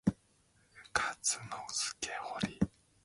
Katsunosuke Hori